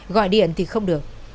gọi điện thì không được